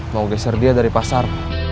mau geser dia dari pasar